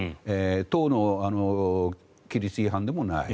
党の規律違反でもない。